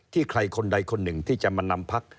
ใครคนใดคนหนึ่งที่จะมานำพัก